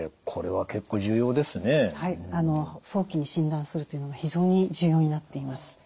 はい早期に診断するというのが非常に重要になっています。